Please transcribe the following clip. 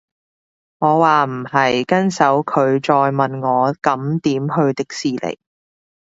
我話唔係，跟手佢再問我咁點去迪士尼